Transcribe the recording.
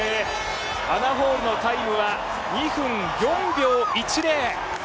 アナ・ホールのタイムは２分４秒１０。